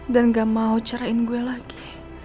gak mau carain gue lagi